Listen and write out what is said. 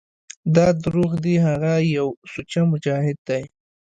دا دروغ دي هغه يو سوچه مجاهد دى.